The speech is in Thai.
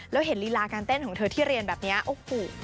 แล้วเห็นลีลาการเต้นของเธอที่เรียนแบบนี้โอ้โห